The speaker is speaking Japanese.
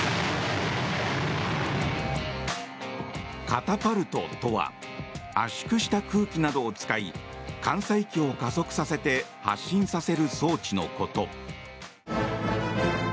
カタパルトとは圧縮した空気などを使い艦載機を加速させて発進させる装置のこと。